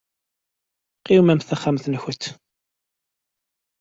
Qewmemt taxxamt-nkent.